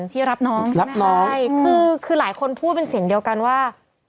ที่รับน้องรับน้องใช่คือคือหลายคนพูดเป็นเสียงเดียวกันว่า